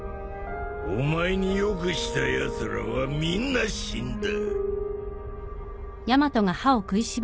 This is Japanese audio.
お前によくしたやつらはみんな死んだ。